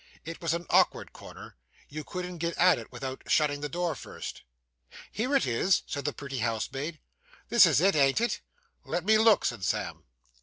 It was an awkward corner. You couldn't get at it without shutting the door first. 'Here it is,' said the pretty housemaid. 'This is it, ain't it?' 'Let me look,' said Sam.